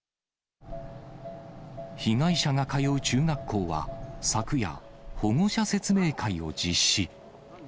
被害者が通う中学校は昨夜、保護者説明会を実施。